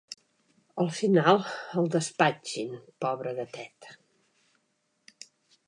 Al final el despatxin, pobre gatet.